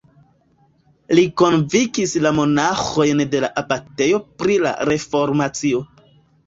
Li konvinkis la monaĥojn de la abatejo pri la reformacio.